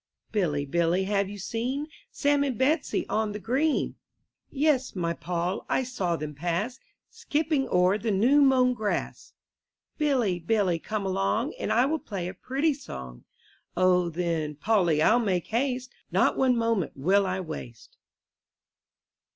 Billy, Billy, have you seen Sam and Betsy on the green? Yes, my Poll, I saw them pass, Skipping o'er the new mown grass. Billy, Billy, come along, And I will play a pretty song. then, Polly I'll make haste; Not one moment will I waste.